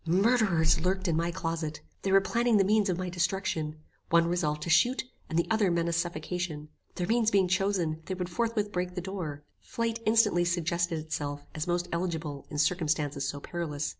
Murderers lurked in my closet. They were planning the means of my destruction. One resolved to shoot, and the other menaced suffocation. Their means being chosen, they would forthwith break the door. Flight instantly suggested itself as most eligible in circumstances so perilous.